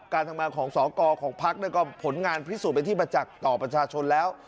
การทำงานของสกของพักก็ผลงานพิสูจน์เป็นที่ประจักษ์ต่อประชาชนแล้ว